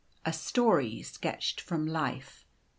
(A Story Sketched from Life.)